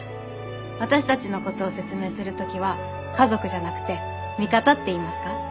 私たちのことを説明する時は「家族」じゃなくて「味方」って言いますか。